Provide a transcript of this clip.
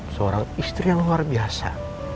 seorang istri yang luar biasa